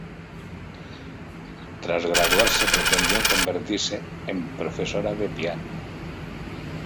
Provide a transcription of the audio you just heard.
Tras graduarse pretendió convertirse en profesora de piano.